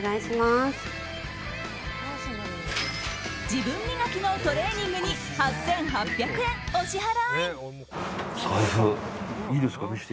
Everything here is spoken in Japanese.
自分磨きのトレーニングに８８００円お支払。